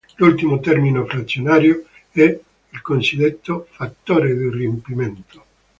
L'ultimo termine frazionario è il cosiddetto "fattore di riempimento".